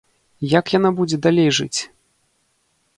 Як яна будзе далей жыць?